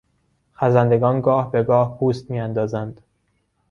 خزندگان گاه به گاه پوست میاندازند.